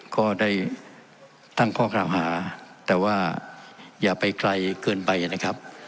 ก็ได้ตั้งข้อกล่าวหาแต่ว่าอย่าไปไกลเกินไปนะครับ